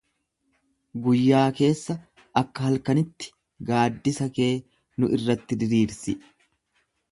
Guyyaa keessa akka halkanitti gaaddisa kee nu irratti diriirsi.